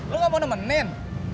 lo gak mau nemenin